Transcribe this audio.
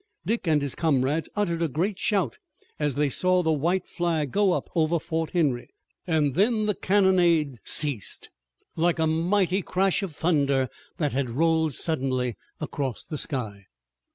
Dick and his comrades uttered a great shout as they saw the white flag go up over Fort Henry, and then the cannonade ceased, like a mighty crash of thunder that had rolled suddenly across the sky.